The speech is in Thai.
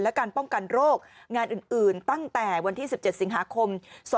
และการป้องกันโรคงานอื่นตั้งแต่วันที่๑๗สิงหาคม๒๕๖